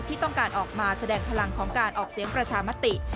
ที่ต้องการออกมาแสดงพลังของการออกเสียงประชามติ